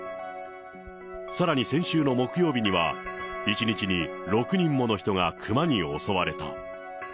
さらに先週の木曜日には、１日に６人もの人がクマに襲われた。